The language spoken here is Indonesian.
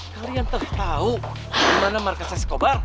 kalian tau dimana markasnya skobar